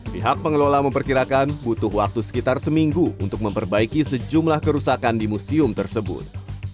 pihak pengelola memperkirakan butuh waktu sekitar seminggu untuk memperbaiki sejumlah kerusakan di museum tersebut